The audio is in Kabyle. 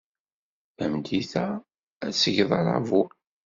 Tameddit-a, ad d-tged aṛabul.